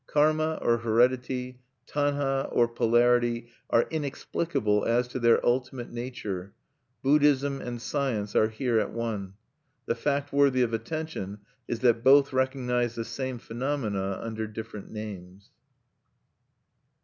Karma or heredity, tanha or polarity, are inexplicable as to their ultimate nature: Buddhism and Science are here at one. The fact worthy of attention is that both recognize the same phenomena under different names.